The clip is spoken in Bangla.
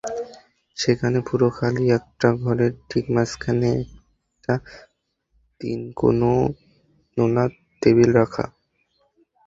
সেখানে পুরো খালি একটা ঘরের ঠিক মাঝখানে একটা তিন কোনা টেবিল রাখা।